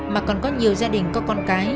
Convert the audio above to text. mà còn có nhiều gia đình có con cái